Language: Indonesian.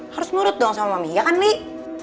harus menurut dong sama mami ya kan nek